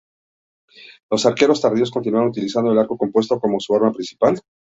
Los arqueros tardíos continuaron utilizando el arco compuesto como su arma principal.